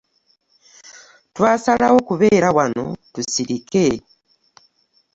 Twasalawo kubeera wano tusirike.